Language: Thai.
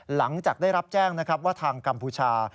หลังจากได้รับแจ้งนะครับว่าทางกัมพูชา